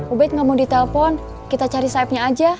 ubed gak mau ditelepon kita cari saebnya aja